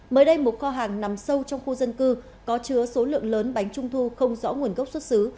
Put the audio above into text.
mới đây một kho hàng nằm sâu trong khu dân cư có chứa số lượng lớn bánh trung thu không rõ nguồn gốc xuất xứ